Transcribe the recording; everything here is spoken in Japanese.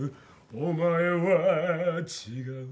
お前は違う